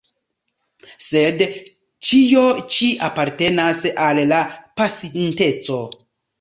Sed ĉio ĉi apartenas al la pasinteco.